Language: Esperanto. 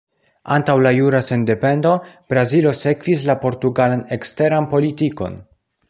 Antaŭ la jura sendependo, Brazilo sekvis la portugalan eksteran politikon.